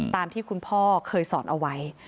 ตามที่คุณพ่อเคยสอนเอาไว้